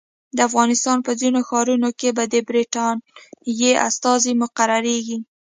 د افغانستان په ځینو ښارونو کې به د برټانیې استازي مقرریږي.